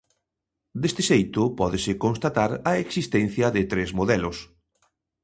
Deste xeito, pódese constatar a existencia de tres modelos.